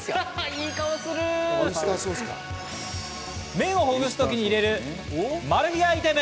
麺をほぐす時に入れるマル秘アイテム。